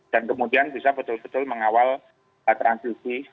dan kemudian bisa betul betul mengawal transisi